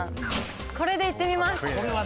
これでいってみます。